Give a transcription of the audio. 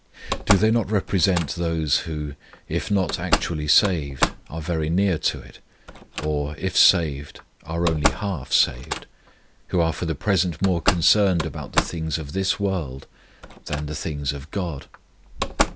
Do they not represent those who, if not actually saved, are very near it; or, if saved, are only half saved? who are for the present more concerned about the things of this world than the things of GOD?